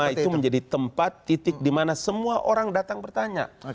ulama itu menjadi tempat titik dimana semua orang datang bertanya